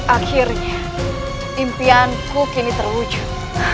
akhirnya impianku kini terwujud